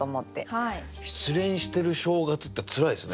失恋してる正月ってつらいですね。